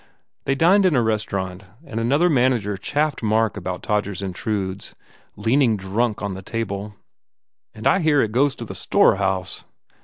They dined in a restaurant and another man ager chaffed Mark about "Todgers Intrudes" leaning drunk on the table. "And I hear it goes to the storehouse?"